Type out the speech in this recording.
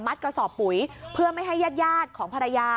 กระสอบปุ๋ยเพื่อไม่ให้ญาติยาดของภรรยา